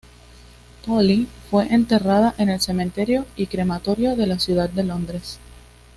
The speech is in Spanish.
Polly fue enterrada en el Cementerio y Crematorio de la ciudad de Londres.